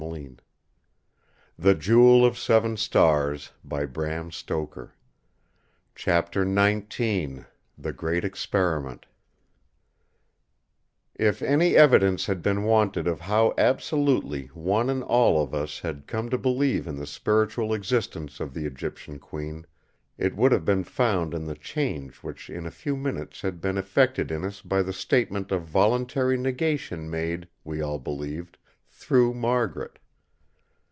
Shall any of us see it again? The night of nights is come!" Chapter XIX The Great Experiment If any evidence had been wanted of how absolutely one and all of us had come to believe in the spiritual existence of the Egyptian Queen, it would have been found in the change which in a few minutes had been effected in us by the statement of voluntary negation made, we all believed, through Margaret.